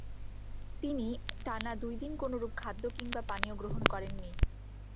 তিনি টানা দুইদিন কোনরুপ খাদ্য কিংবা পানীয় গ্রহণ করেননি।